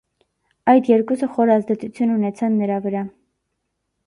Այդ երկուսը խոր ազդեցություն ունեցան նրա վրա։